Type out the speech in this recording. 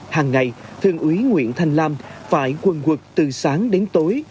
hàng ngày thường ủy nguyễn thanh lam phải quần quật từ sáng đến tối